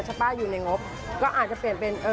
ป้าอยู่ในงบก็อาจจะเปลี่ยนเป็น